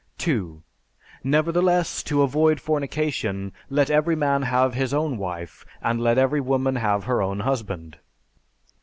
2. Nevertheless, to avoid fornication, let every man have his own wife, and let every woman have her own husband.